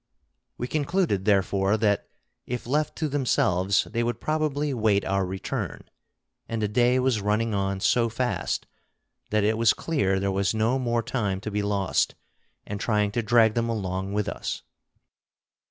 We concluded therefore that if left to themselves they would probably wait our return; and the day was running on so fast that it was clear there was no more time to be lost in trying to drag them along with us.